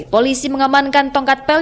polisi mengemankan tongkat pel